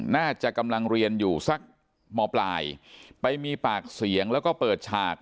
น่าจะกำลังเรียนอยู่สักมปลายไปมีปากเสียงแล้วก็เปิดฉาก